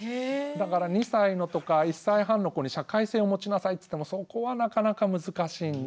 だから２歳とか１歳半の子に社会性を持ちなさいって言ってもそこはなかなか難しいんで。